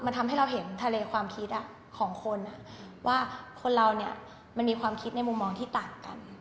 มันทำให้เราเห็นทะเลความคิดของคนว่าคนเราเนี่ยมันมีความคิดในมุมมองที่ต่างกัน